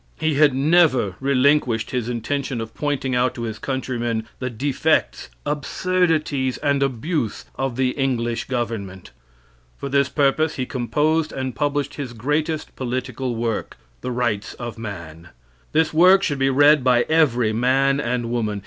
He had never relinquished his intention of pointing out to his countrymen the defects, absurdities, and abuse of the English government. For this purpose; he composed and published his greatest political work. "The Rights of Man." This work should be read by every man and woman.